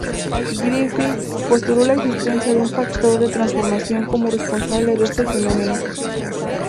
Griffith postuló la existencia de un factor de transformación como responsable de este fenómeno.